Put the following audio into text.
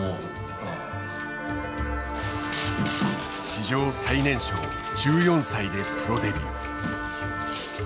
史上最年少１４歳でプロデビュー。